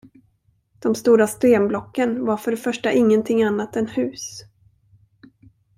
De stora stenblocken var för det första ingenting annat än hus.